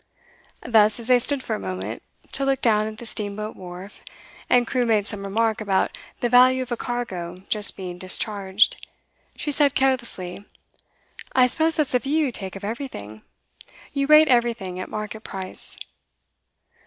Thus, as they stood for a moment to look down at the steamboat wharf, and Crewe made some remark about the value of a cargo just being discharged, she said carelessly: 'I suppose that's the view you take of everything? You rate everything at market price.